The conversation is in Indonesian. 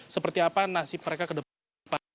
seperti apa nasib mereka ke depan